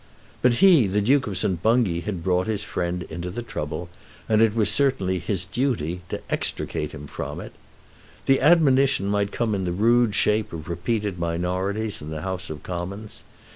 But he, the Duke of St. Bungay, had brought his friend into the trouble, and it was certainly his duty to extricate him from it. The admonition might come in the rude shape of repeated minorities in the House of Commons.